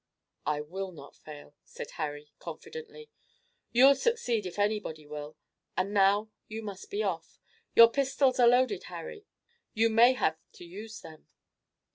"I will not fail," said Harry confidently. "You'll succeed if anybody will, and now you must be off. Your pistols are loaded, Harry? You may have to use them."